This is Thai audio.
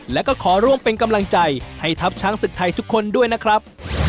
และก็ขอร่วมเป็นกำลังใจให้ทัพช้างศึกไทยทุกคนด้วยนะครับ